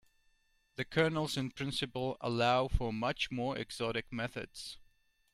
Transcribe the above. The kernels in principle allow for much more exotic methods.